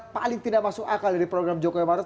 paling tidak masuk akal dari program jokowi maruf